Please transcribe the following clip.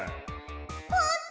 ほんと？